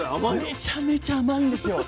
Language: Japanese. めちゃめちゃ甘いんですよ。